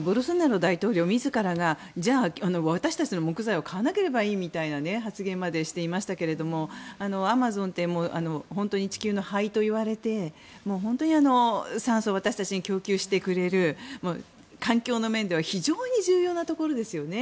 ボルソナロ大統領自らがじゃあ、私たちの木材を買わなければいいみたいな発言までしていましたけれどアマゾンって本当に地球の肺といわれて本当に酸素を私たちに供給してくれる環境の面では非常に重要なところですよね。